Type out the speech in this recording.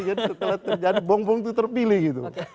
setelah terjadi bom bong itu terpilih gitu